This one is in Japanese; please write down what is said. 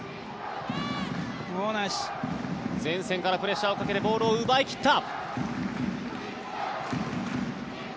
前線からプレッシャーをかけてボールを奪い切った。